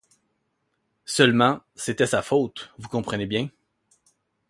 Seulement, c'était sa faute, vous comprenez bien.